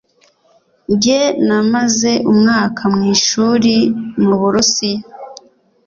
Njye namaze umwaka mwishuri muburusiya.